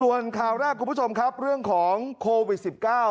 ส่วนข่าวแรกคุณผู้ชมครับเรื่องของโควิด๑๙